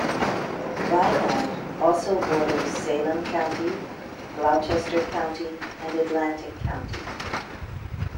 Vineland also borders Salem County, Gloucester County, and Atlantic County.